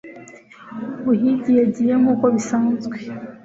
gahigi yagiye nkuko bisanzwe